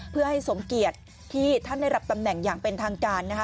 เพื่อให้สมเกียจที่ท่านได้รับตำแหน่งอย่างเป็นทางการนะคะ